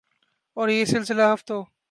اور یہ سلسلہ ہفتوں